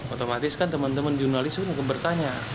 otomatis kan teman teman jurnalis bertanya